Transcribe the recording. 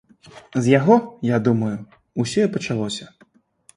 З яго, я думаю, усё і пачалося.